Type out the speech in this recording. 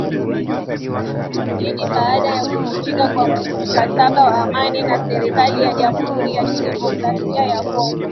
Hii ni baada ya kuvunjika kwa mkataba wa amani na serikali ya Jamhuri ya Kidemokrasia ya Kongo